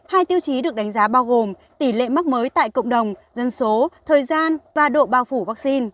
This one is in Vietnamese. hai tiêu chí được đánh giá bao gồm tỷ lệ mắc mới tại cộng đồng dân số thời gian và độ bao phủ vaccine